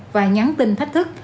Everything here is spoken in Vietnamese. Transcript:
và nhắn tin thách thức